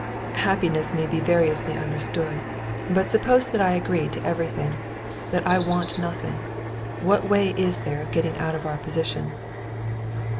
"Happiness may be variously understood. But suppose that I agree to everything, that I want nothing: what way is there of getting out of our position?"